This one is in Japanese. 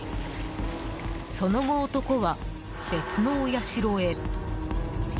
その後、男は別のお社へ。